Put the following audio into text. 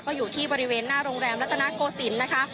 ก็อยู่ที่บริเวณหน้าโรงแรมรัตนโกศิลป์นะคะ